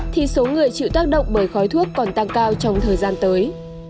thì số người chịu tác động bởi khói thuốc còn tăng cao trong thời gian tới